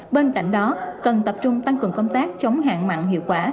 bên cạnh đó cần tập trung tăng cường công tác chống hạn mặn hiệu quả